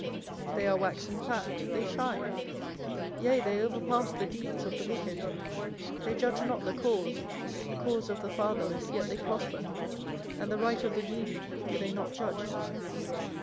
24:005:028 They are waxen fat, they shine: yea, they overpass the deeds of the wicked: they judge not the cause, the cause of the fatherless, yet they prosper; and the right of the needy do they not judge.